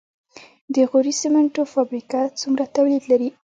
د غوري سمنټو فابریکه څومره تولید لري؟